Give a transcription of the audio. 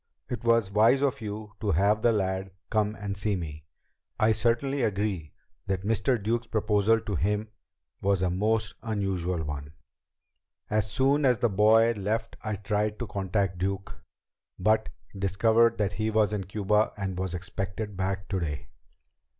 "It was wise of you to have the lad come and see me. I certainly agree that Mr. Duke's proposal to him was a most unusual one. As soon as the boy left I tried to contact Duke, but discovered that he was in Cuba and was expected back today."